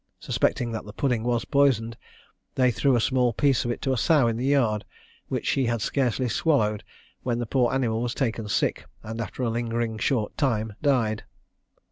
Suspecting that the pudding was poisoned, they threw a small piece of it to a sow in the yard; which she had scarcely swallowed, when the poor animal was taken sick, and after lingering a short time died.